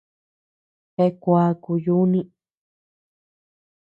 Jeaa kuaaku yuuni.